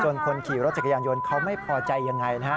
คนขี่รถจักรยานยนต์เขาไม่พอใจยังไงนะฮะ